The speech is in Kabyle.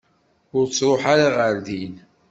Ur ttruḥ ara ɣer din.